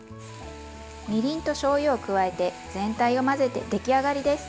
みりんとしょうゆを加えて全体を混ぜて出来上がりです。